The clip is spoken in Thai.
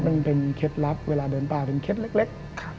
มันเป็นเคล็ดลับเวลาเดินป่าเป็นเคล็ดเล็ก